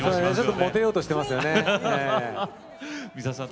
モテようとしていますね。